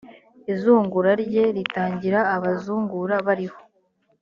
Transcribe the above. izungura rye ritangira abazungura bariho